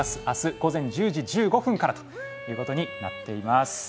あす、午前１０時１５分からということになっています。